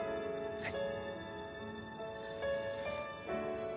はい